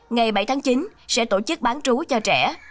ngày bảy tháng chín sẽ tổ chức bán trú cho trẻ